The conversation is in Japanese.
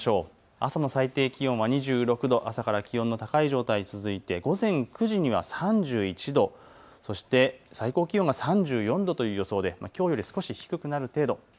朝の最低気温は２６度、朝から気温の高い状態続いて午前９時には３１度、そして最高気温が３４度という予想できょうより少し低くなる程度。